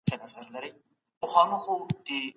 تاسو په خندا کولو بوخت یاست.